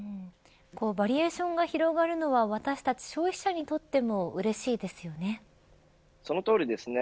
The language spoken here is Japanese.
バリエーションが広がるのは私たち消費者にとってもそのとおりですね。